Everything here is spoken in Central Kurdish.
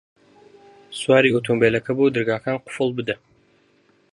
سواری ئۆتۆمبێلەکە بە و دەرگاکان قوفڵ بدە.